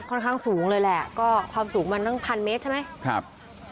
ค่อนข้างสูงเลยแหละก็ความสูงมันคง๑๐๐๐เมตรใช่ไหม